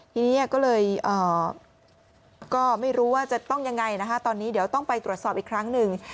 ทีนี้ก็เลยก็ไม่รู้ว่าจะต้องยังไงนะคะตอนนี้เดี๋ยวต้องไปตรวจสอบอีกครั้งหนึ่ง